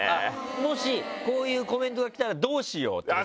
もしこういうコメントが来たらどうしようってこと？